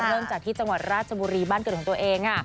เริ่มจากที่จังหวัดราชบุรีบ้านเกิดของตัวเองค่ะ